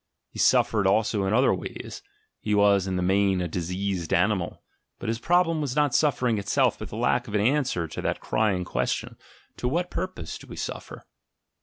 He suffered also in other ways, he was in the main a diseased animal ; but his problem was not suffering itself, but the lack of an answer to that crying question, "To what purpose do we suffer?"